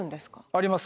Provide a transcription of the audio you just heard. あります。